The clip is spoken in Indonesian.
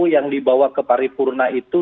yang dibawa ke paripurna itu